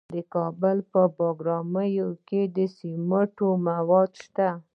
د کابل په بګرامي کې د سمنټو مواد شته.